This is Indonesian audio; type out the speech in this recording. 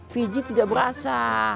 pijitnya tidak berasa